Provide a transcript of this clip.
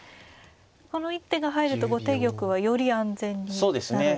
この一手が入ると後手玉はより安全になるんですか。